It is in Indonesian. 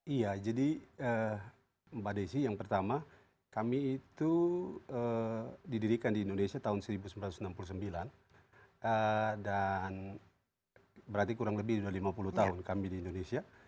iya jadi mbak desi yang pertama kami itu didirikan di indonesia tahun seribu sembilan ratus enam puluh sembilan dan berarti kurang lebih sudah lima puluh tahun kami di indonesia